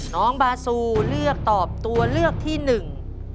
น้องบาซูเลือกตอบตัวเลือกที่หนึ่ง